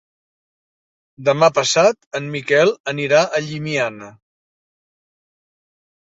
Demà passat en Miquel anirà a Llimiana.